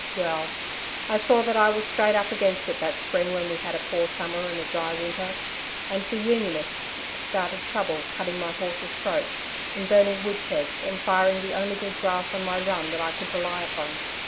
Well, I saw that I was straight up against it that spring when we had had a poor summer and a dry winter, and the Unionists started trouble cutting my horses' throats, and burning woodsheds and firing the only good grass on my run that I could rely upon.